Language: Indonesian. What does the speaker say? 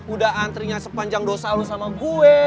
udah antrinya sepanjang dosa lu sama gue